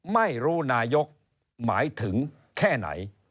ไม่รู้นายกหมายถึงแค่ไหน